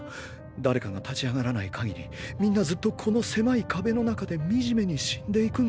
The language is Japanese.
誰かが立ち上がらないかぎりみんなずっとこの狭い壁の中で惨めに死んでいくんだぞ？